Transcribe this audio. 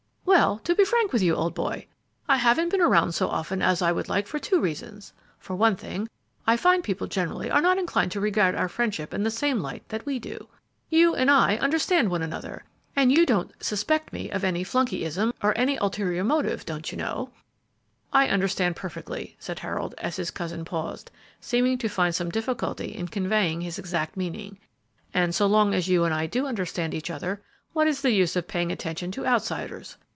"Well, to be frank with you, old boy, I haven't been around so often as I would like for two reasons; for one thing, I find people generally are not inclined to regard our friendship in the same light that we do. You and I understand one another, and you don't suspect me of any flunkeyism, or any ulterior motive, don't you know, " "I understand perfectly," said Harold, as his cousin paused, seeming to find some difficulty in conveying his exact meaning; "and so long as you and I do understand each other, what is the use of paying any attention to outsiders?